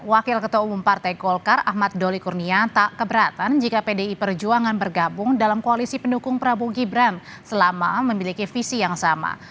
wakil ketua umum partai golkar ahmad doli kurnia tak keberatan jika pdi perjuangan bergabung dalam koalisi pendukung prabowo gibran selama memiliki visi yang sama